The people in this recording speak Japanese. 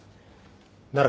なら